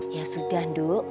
ya sudah ndu